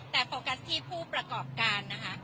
แต่โฟกัสที่ผู้ประกอบการนะคะ